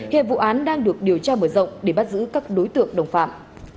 hiện vụ án đang được điều tra mở rộng để bắt giữ các đối tượng đồng phạm